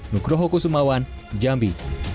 nukrohoku sumawan jambi